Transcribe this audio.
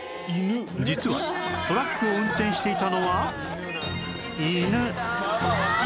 実はトラックを運転していたのはイヌ